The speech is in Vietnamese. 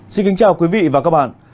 xin kính chào quý vị và các bạn